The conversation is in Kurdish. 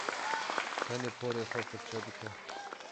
Tenê porê xwe firçe bike.